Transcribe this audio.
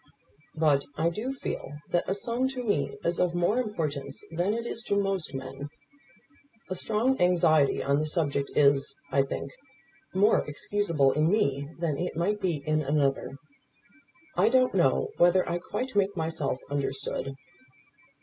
"But I do feel that a son to me is of more importance than it is to most men. A strong anxiety on the subject, is, I think, more excusable in me than it might be in another. I don't know whether I quite make myself understood?"